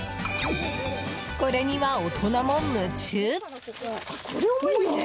これには大人も夢中。